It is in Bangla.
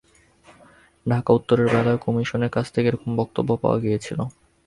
ঢাকা উত্তরের বেলায়ও কমিশনের কাছ থেকে একই রকমের বক্তব্য পাওয়া গিয়েছিল।